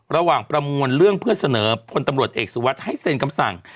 ประมวลเรื่องเพื่อเสนอพลตำรวจเอกสุวัสดิ์ให้เซ็นคำสั่ง